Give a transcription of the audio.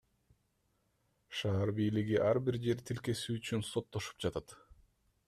Шаар бийлиги ар бир жер тилкеси үчүн соттошуп жатат.